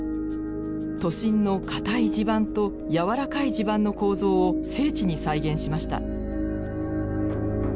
都心のかたい地盤とやわらかい地盤の構造を精緻に再現しました。